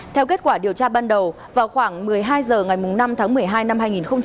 theo kết quả điều tra ban đầu vào khoảng một mươi hai h ngày năm tháng một mươi hai năm hai nghìn một mươi chín